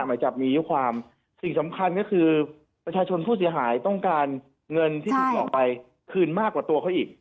หมายจับมีอายุความสิ่งสำคัญก็คือประชาชนผู้เสียหายต้องการเงินที่ถูกออกไปคืนมากกว่าตัวเขาอีก